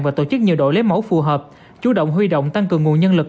và tổ chức nhiều đội lấy mẫu phù hợp chú động huy động tăng cường nguồn nhân lực